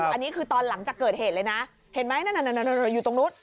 อันนี้คือตอนหลังจากเกิดเหตุเลยนะเห็นไหมนั่นอยู่ตรงนู้น